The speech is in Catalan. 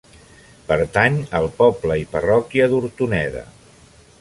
Pertany al poble i parròquia d'Hortoneda.